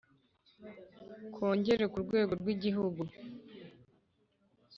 Kongere ku rwego rw igihugu